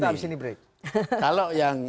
habis ini break kalau yang